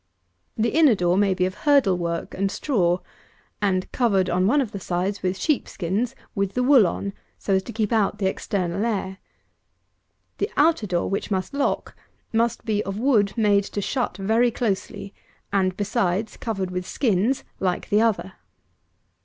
This inner door may be of hurdle work, and straw, and covered, on one of the sides, with sheep skins with the wool on, so as to keep out the external air. The outer door, which must lock, must be of wood, made to shut very closely, and, besides, covered with skins like the other.